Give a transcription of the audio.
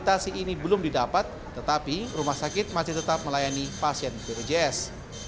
transportasi ini belum didapat tetapi rumah sakit masih tetap melayani pasien bpjs